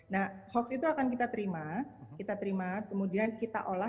nah hoax itu akan kita terima kita terima kemudian kita olah